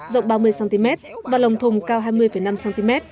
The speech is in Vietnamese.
rộng ba mươi cm và lồng thùng cao hai mươi năm cm